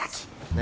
何？